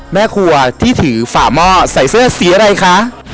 แม่ครัวที่ถือฝ่าหม้อใส่เสื้อสีอะไรคะ